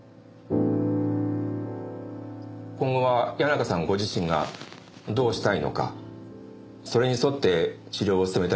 今後は谷中さんご自身がどうしたいのかそれに沿って治療を進めたいと思うのですが。